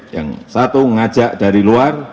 yang satu ngajak dari luar